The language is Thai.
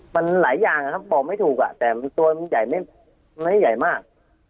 มันหลายอย่างนะครับบอกไม่ถูกแต่ตัวมันใหญ่ไม่ใหญ่มาก